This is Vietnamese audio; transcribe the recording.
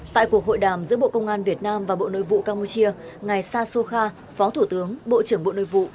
tại cuộc hội đàm giữa bộ công an việt nam và bộ nội vụ campuchia ngài sasoka phó thủ tướng bộ trưởng bộ nội vụ